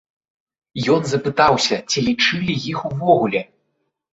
Ён запытаўся, ці лічылі іх увогуле.